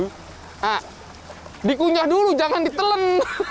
nah dikunyah dulu jangan ditelen